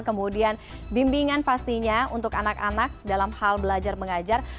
kemudian bimbingan pastinya untuk anak anak dalam hal belajar mengajar